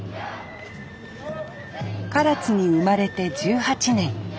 唐津に生まれて１８年。